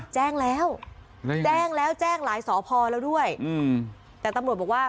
แจ้งแล้วแจ้งแล้วแจ้งหลายสพแล้วด้วยอืมแต่ตำรวจบอกว่า